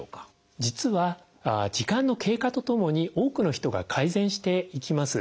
実は時間の経過とともに多くの人が改善していきます。